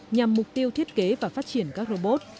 nhằm mục tiêu thiết kế và phát triển các robot